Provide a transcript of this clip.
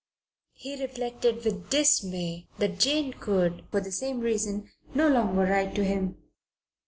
He reflected with dismay that Jane could, for the same reason, no longer write to him.